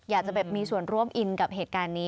อยากจะแบบมีส่วนร่วมอินกับเหตุการณ์นี้